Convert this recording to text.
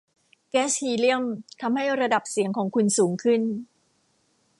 แก๊สฮีเลียมทำให้ระดับเสียงของคุณสูงขึ้น